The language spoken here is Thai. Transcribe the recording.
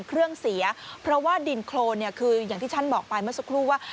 เครื่องเสียเพราะว่าดินโครนเนี่ยคืออย่างที่ฉันบอกไปเมื่อสักครู่ว่า